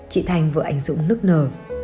chị thành vợ anh dũng nức nở